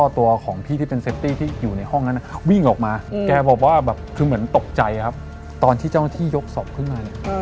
ตอนที่เจ้าหน้าที่ยกศพขึ้นมา